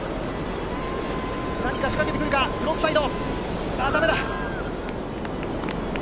何か仕掛けてくるか、フロントサイド。